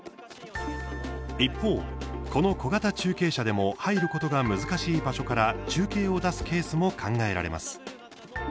一方、この小型中継車でも入ることが難しい場所から中継を出すケースも考えられます。